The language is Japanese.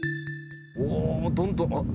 おどんどん。